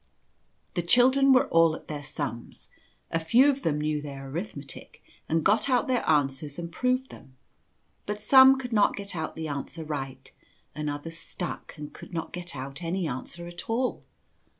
The children were all at their sums. A few of them knew their arithmetic and got out their answers and proved them; but some could not get out the answer right, and others stuck and could not get out any answer at all.